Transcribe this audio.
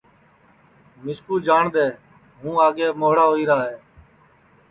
مِسکُو جاٹؔدؔے ہُوں آگے مھوڑا ہوئیرا ہے